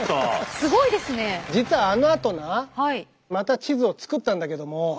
実はあのあとなまた地図を作ったんだけども。